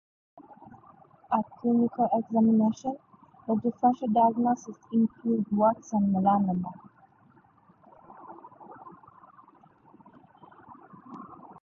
At clinical examination the differential diagnosis include warts and melanoma.